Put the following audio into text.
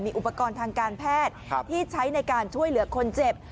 อุปกรณ์ทางการแพทย์ที่ใช้ในการช่วยเหลือคนเจ็บ